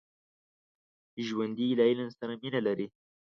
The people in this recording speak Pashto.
ژوندي له علم سره مینه لري